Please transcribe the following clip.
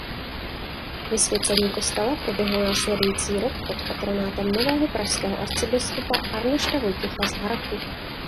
Vysvěcení kostela proběhlo následující rok pod patronátem nového pražského arcibiskupa Arnošta Vojtěcha z Harrachu.